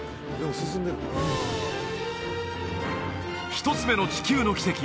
１つ目の地球の奇跡